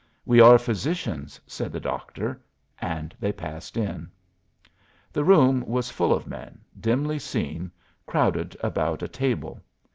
"We are physicians," said the doctor, and they passed in. The room was full of men, dimly seen, crowded about a table.